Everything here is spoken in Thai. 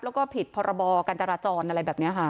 แล้วก็ผิดพรบการจราจรอะไรแบบนี้ค่ะ